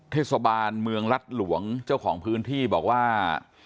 เทศบาลเมืองรัฐหลวงเจ้าของพื้นที่บอกว่า